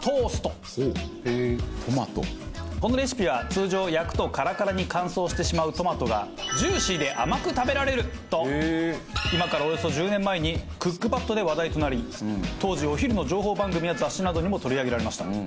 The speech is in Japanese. このレシピは通常焼くとカラカラに乾燥してしまうトマトがジューシーで甘く食べられると今からおよそ１０年前にクックパッドで話題となり当時お昼の情報番組や雑誌などにも取り上げられました。